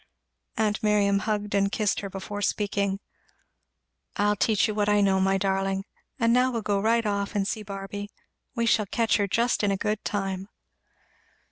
Aunt Miriam hugged and kissed her before speaking. "I'll teach you what I know, my darling; and now we'll go right off and see Barby we shall catch her just in a good time."